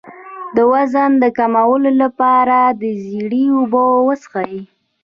د وزن د کمولو لپاره د زیرې اوبه وڅښئ